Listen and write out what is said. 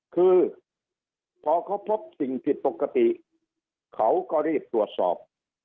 คือพอเขาพบสิ่งผิดปกติเขาก็รีบตรวจสอบ